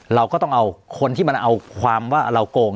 เราก็ต้องเอาคนที่มันเอาความว่าเราโกง